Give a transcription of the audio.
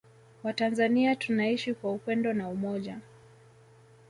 Watanzania tunaishi kwa upendo na umoja